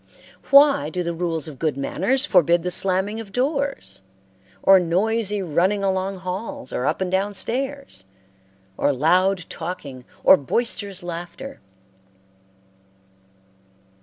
Why do the rules of good manners forbid the slamming of doors, or noisy running along halls or up and down stairs, or loud talking or boisterous laughter?